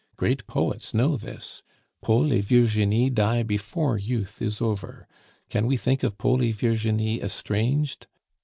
Great poets know this; Paul and Virginie die before youth is over; can we think of Paul and Virginie estranged?